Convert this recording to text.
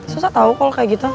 susah tau kalau kayak gitu